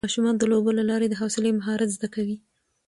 ماشومان د لوبو له لارې د حوصلې مهارت زده کوي